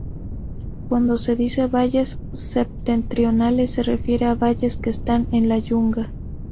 Cuando se dice valles septentrionales se refiere a valles que están, en la yunga.